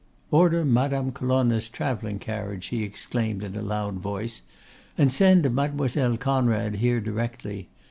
'Order Madame Colonna's travelling carriage,' he exclaimed in a loud voice, 'and send Mademoiselle Conrad here directly.